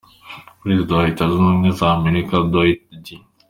Prezida wa Leta zunze ubumwe za Amerika Dwight D.